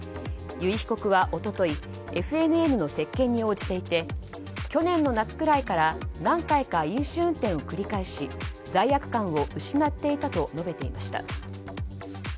由井被告は一昨日ＦＮＮの接見に応じていて去年の夏くらいから何回か飲酒運転を繰り返し罪悪感を失っていたと述べていました。